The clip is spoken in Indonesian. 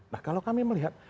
nah kalau kami melihat